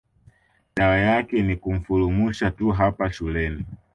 Dawa yake ni kumfulumusha tu hapa shuleni